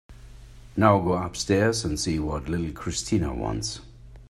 Now go upstairs and see what little Christina wants.